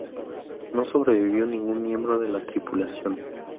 No sobrevivió ningún miembro de la tripulación.